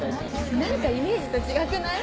何かイメージと違くない？